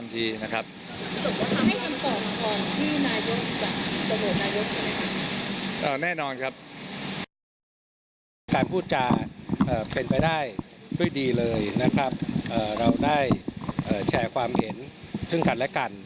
การพูดจะเป็นไปได้ด้วยดีเลยนะครับเราได้แชร์ความเห็นซึ่งกันและกัน